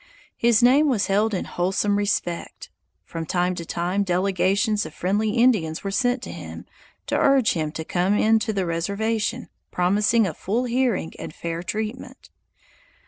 His name was held in wholesome respect. From time to time, delegations of friendly Indians were sent to him, to urge him to come in to the reservation, promising a full hearing and fair treatment.